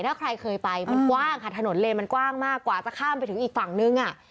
ถ้าใครเคยไปมันกว้างค่ะถนนเลนมันกว้างมากกว่าจะข้ามไปถึงอีกฝั่งนึงอ่ะ